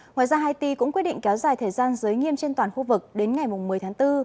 ngoài ra haiti cũng quyết định kéo dài thời gian giới nghiêm trên toàn khu vực đến ngày một mươi tháng bốn